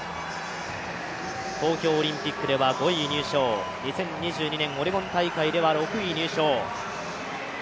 東京オリンピックでは５位入賞、２０２２年オレゴン大会では６位入賞。